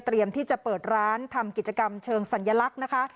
ที่จะเปิดร้านทำกิจกรรมเชิงสัญลักษณ์นะคะ